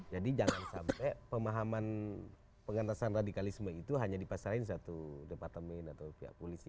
jadi jangan sampai pemahaman pengantasan radikalisme itu hanya dipasarkan satu departemen atau pihak polisi